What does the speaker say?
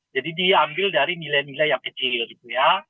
jadi diambil dari nilai nilai yang kecil gitu ya